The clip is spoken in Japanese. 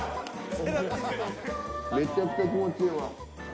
めちゃくちゃ気持ちええわ。